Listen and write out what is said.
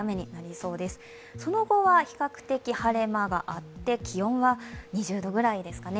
その後は比較的晴れ間があって気温は２０度ぐらいですかね。